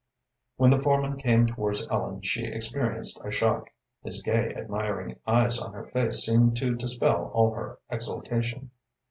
When the foreman came towards Ellen she experienced a shock. His gay, admiring eyes on her face seemed to dispel all her exaltation.